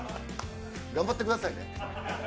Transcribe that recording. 頑張ってくださいね。